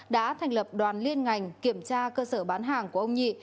đã thành lập đoàn liên ngành kiểm tra cơ sở bán hàng của ông nhị